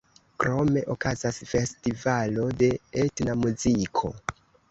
Krome okazas festivalo de etna muziko.